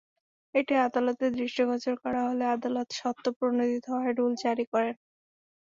এটি আদালতের দৃষ্টিগোচর করা হলে আদালত স্বতঃপ্রণোদিত হয়ে রুল জারি করেন।